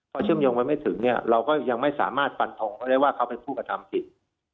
เขาเชื่อมโยงไปไม่ถึงเนี่ยเราก็ยังไม่สามารถฟันทงไว้ได้ว่าเขาเป็นผู้กระทำผิด